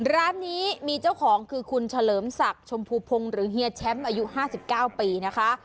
ร้านนี้มีเจ้าของคือคุณเฉลิมศักดิ์ชมพูพงศ์หรือเฮียแชมป์อายุ๕๙ปีนะคะ